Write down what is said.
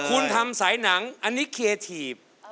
คุณทำสายหนังอันนี้เคทีฟ